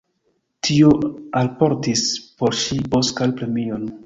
Tio alportis por ŝi Oscar-premion.